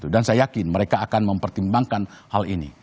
dan saya yakin mereka akan mempertimbangkan hal ini